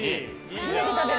初めて食べる。